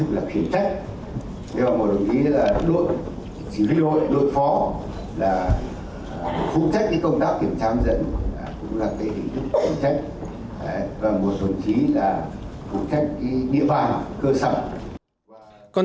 đồng chí là phụ trách cái địa bàn cơ sở